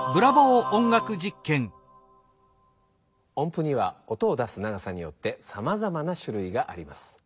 音ぷには音を出す長さによってさまざまなしゅるいがあります。